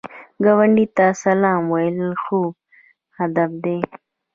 ګاونډي ته سلام ویل ښو ادب دی